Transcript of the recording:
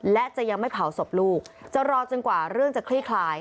และจะยังไม่เผาศพลูกจะรอจนกว่าเรื่องจะคลี่คลาย